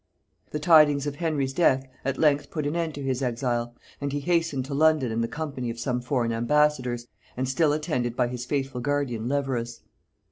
The tidings of Henry's death at length put an end to his exile, and he hastened to London in the company of some foreign embassadors, and still attended by his faithful guardian Leverous.